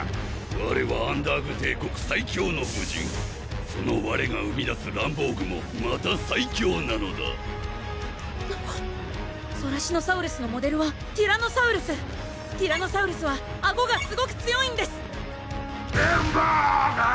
われはアンダーグ帝国最強の武人そのわれが生み出すランボーグもまた最強なのだソラシノサウルスのモデルはティラノサウルスティラノサウルスはあごがすごく強いんですランボーグー！